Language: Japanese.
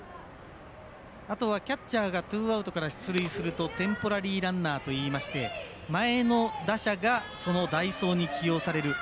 あとはキャッチャーがツーアウトから出塁するとテンポラリーランナーといいまして前の打者がその代走に起用される。